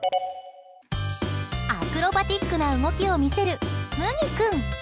アクロバティックな動きを見せる麦君。